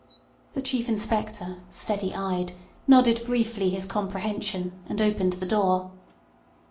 The Chief Inspector, steady eyed, nodded briefly his comprehension, and opened the door.